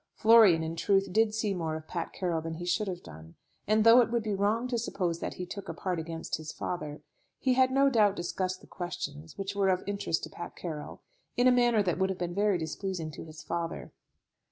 Florian, in truth, did see more of Pat Carroll than he should have done; and, though it would be wrong to suppose that he took a part against his father, he no doubt discussed the questions which were of interest to Pat Carroll, in a manner that would have been very displeasing to his father.